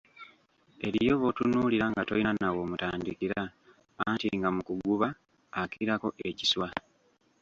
Eriyo b'otunuulira nga tolina na w'omutandikira, anti nga mu kuguba akirako ekiswa!